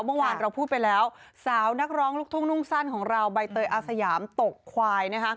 เมื่อวานเราพูดไปแล้วสาวนักร้องลูกทุ่งนุ่งสั้นของเราใบเตยอาสยามตกควาย